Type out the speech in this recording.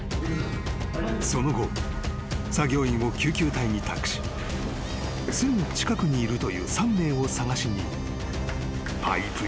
［その後作業員を救急隊に託しすぐ近くにいるという３名を捜しにパイプに入っていった］